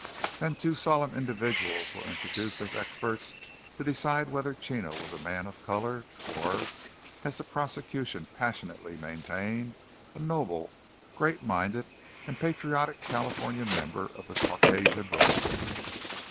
Then two solemn individuals were introduced as experts to decide whether Chino was a man of colour, or, as the prosecution passionately maintained, a noble, great minded and patriotic California member of the Caucasian race.